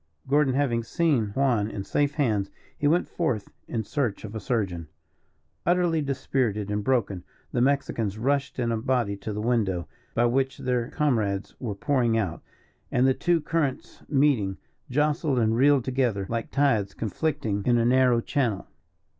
Gordon, having seen Juan in safe hands, he went forth in search of a surgeon. Utterly dispirited and broken, the Mexicans rushed in a body to the window, by which their comrades were pouring out; and, the two currents meeting, jostled and reeled together like tides conflicting in a narrow channel.